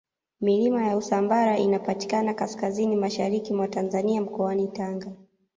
milima ya usambara inapatikana kaskazini mashariki mwa tanzania mkoani tanga